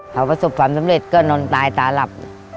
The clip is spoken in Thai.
เขาประสบความสำเร็จก็นอนตายตาหลับ